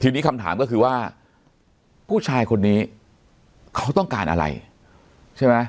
ทีนี้คำถามก็คือว่าผู้ชายคนนี้เขาต้องการอะไรใช่ไหม